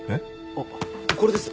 あっこれです。